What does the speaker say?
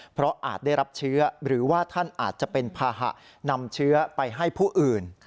เพราะอาจได้รับเชื้อหรือว่าท่านอาจจะเป็นภาหะนำเชื้อไปให้ผู้อื่น